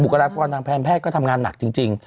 บุกราศกรรมทางแพทย์แพทย์ก็ทำงานหนักจริง